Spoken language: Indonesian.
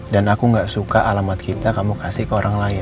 dan aku gak suka alamat kita kamu kasih ke orang lain